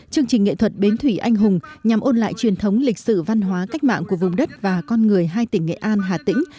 chương trình nghệ thuật bến thủy anh hùng nhằm ôn lại truyền thống lịch sử văn hóa cách mạng của vùng đất và con người hai tỉnh nghệ an hà tĩnh